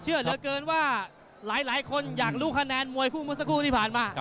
เชื่อเหลือเกินว่าหลายคนอยากรู้คะแนนมวยคู่เมื่อสักครู่ที่ผ่านมา